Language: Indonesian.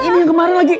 ini yang kemarin lagi